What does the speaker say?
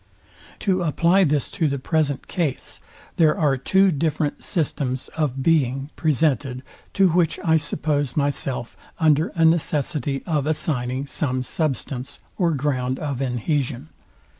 To apply this to the present case; there are two different systems of being presented, to which I suppose myself under necessity of assigning some substance, or ground of inhesion.